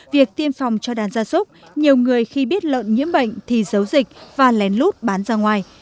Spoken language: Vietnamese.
việc tiêm phòng cho đàn gia súc nhiều người khi biết lợn nhiễm bệnh thì giấu dịch và lén lút bán ra ngoài